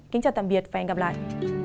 kính chào tạm biệt và hẹn gặp lại